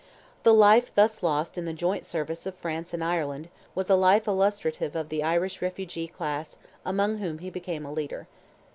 The life thus lost in the joint service of France and Ireland, was a life illustrative of the Irish refugee class among whom he became a leader.